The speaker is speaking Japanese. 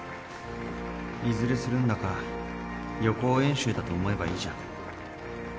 いずれするんだから予行演習だと思えばいいじゃん。